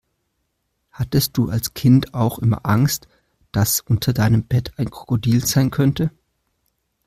Hattest du als Kind auch immer Angst, dass unter deinem Bett ein Krokodil sein könnte?